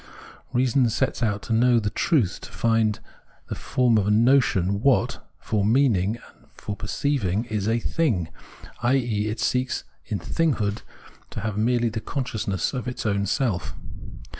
Eeason sets out to know the truth, to find in the form of a notion what, for " meaning " and " perceiv ing," is a "thing"; i.e. it seeks in thinghood to have merely the consciousness of its own self.